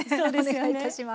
お願いいたします。